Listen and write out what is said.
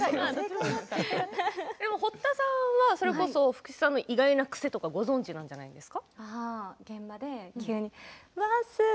堀田さんは福士さんの意外な癖とかご存じなんじゃないですか。